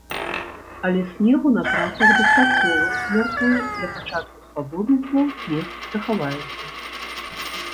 Але снегу на трасах дастаткова, мяркую, для пачатку спаборніцтваў снег захаваецца.